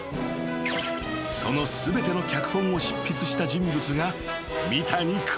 ［その全ての脚本を執筆した人物が］